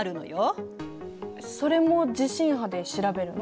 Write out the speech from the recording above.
それも地震波で調べるの？